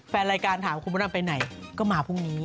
แฟนรายการถามคุณพระดำไปไหนก็มาพรุ่งนี้